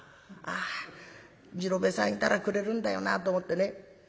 『あ次郎兵衛さんいたらくれるんだよな』と思ってね